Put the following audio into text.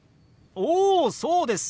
おそうです